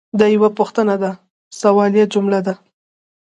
دا یوه پوښتنه ده – سوالیه جمله ده.